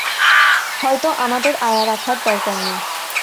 হয়তো আমাদের আয়া রাখার দরকার নেই।